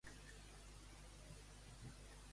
Una divinitat el va curar?